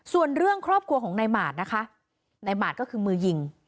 ส่วนเรื่องครอบครัวของนายหมาดนะคะนายหมาดก็คือมือยิง